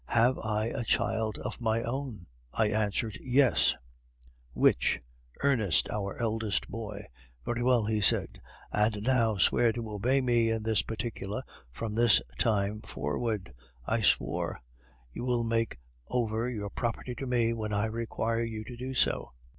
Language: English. Have I a child of my own?' I answered, 'Yes,' 'Which?' 'Ernest, our eldest boy.' 'Very well,' he said, 'and now swear to obey me in this particular from this time forward.' I swore. 'You will make over your property to me when I require you to do so.